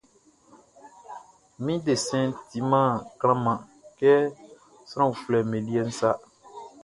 Mi desɛnʼn timan klanman kɛ sran uflɛʼm be liɛʼn sa.